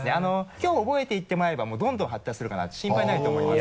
きょう覚えていってもらえばもうどんどん発達するかなって心配ないと思います。